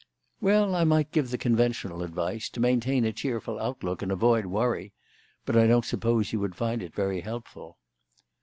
"Well, I might give the conventional advice to maintain a cheerful outlook and avoid worry; but I don't suppose you would find it very helpful."